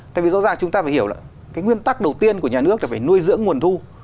tại vì rõ ràng chúng ta phải hiểu là cái nguyên tắc đầu tiên của nhà nước là phải nuôi dưỡng nguồn thu